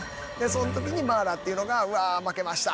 その時にマーラっていうのがうわ負けました！